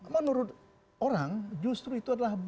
menurut orang justru itu adalah